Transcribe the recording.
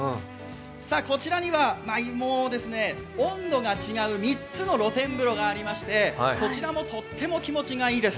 こちらには温度が違う３つの露天風呂がありまして、こちらもとっても気持ちがいいです。